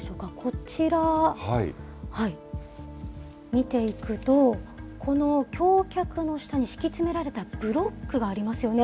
こちら、見ていくと、この橋脚の下に敷き詰められたブロックがありますよね。